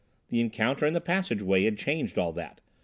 The encounter in the passage way had changed all that.